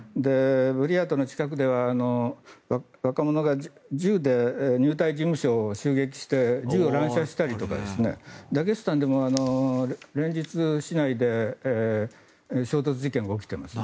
ブリヤートの近くでは若者が銃で入隊事務所を襲撃して銃を乱射したりとかですねダゲスタンでも連日、市内で衝突事件が起きています。